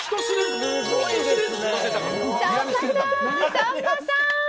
さんまさん。